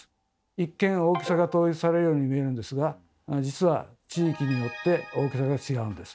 一見大きさが統一されるように見えるんですが実は地域によって大きさが違うんです。